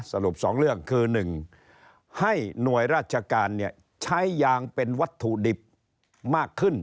สรุป๒เรื่องคือ๑ให้หน่วยราชการใช้ยางเป็นวัตถุดิบมากขึ้น